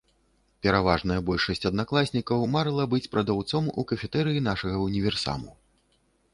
Пераважная большасць аднакласнікаў марыла быць прадаўцом у кафетэрыі нашага ўніверсаму.